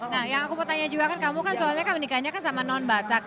nah yang aku mau tanya juga kan kamu kan soalnya kan menikahnya kan sama non batak